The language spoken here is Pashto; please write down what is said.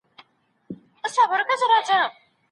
څېړنه يوازې نظري نه ده.